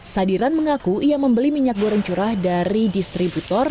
sadiran mengaku ia membeli minyak goreng curah dari distributor